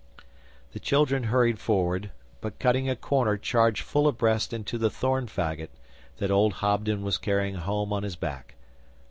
The children hurried forward, but cutting a corner charged full abreast into the thorn faggot that old Hobden was carrying home on his back.